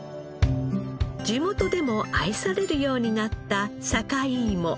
地元でも愛されるようになった坂井芋。